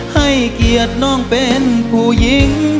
ให้เกียรติน้องเป็นผู้หญิง